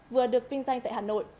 vừa được vinh danh tại hà nội